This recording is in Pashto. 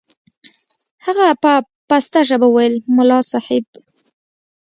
هغه په پسته ژبه وويل ملا صاحب.